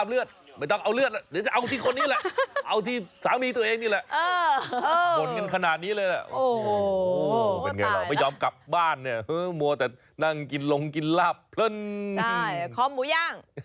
เอาที่สามีตัวเองนี่แหละ